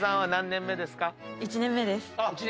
１年目です。